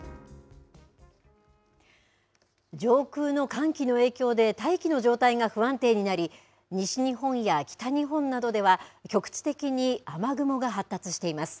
上空の寒気の影響で大気の状態が不安定になり西日本や北日本などでは局地的に雨雲が発達しています。